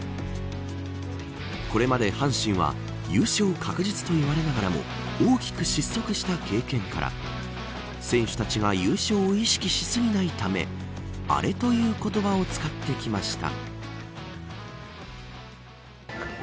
これまで阪神は優勝確実と言われながらも大きく失速した経験から選手たちが優勝を意識しすぎないためアレという言葉を使ってきました。